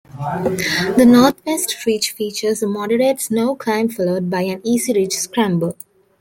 The Northwest Ridge features a moderate snow climb followed by an easy ridge scramble.